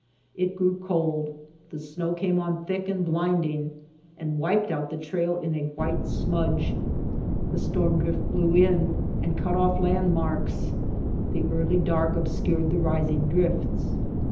It grew cold, the snow came on thick and blind ing, and wiped out the trail in a white smudge ; the storm drift blew in and cut off landmarks, the early dark obscured the rising drifts.